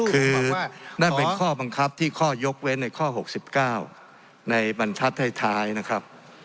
คือนั่นเป็นข้อบังคับที่ข้อยกเว้นในข้อ๖๙ในบรรชัดท้ายนะครับ